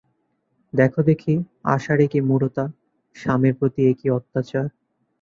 দেখো দেখি, আশার এ কী মূঢ়তা, স্বামীর প্রতি এ কী অত্যাচার।